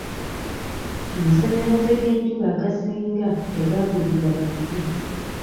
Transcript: Amasannyalaze g'enjuba agasinga tegaagulibwa bantu.